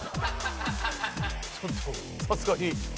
ちょっとさすがに。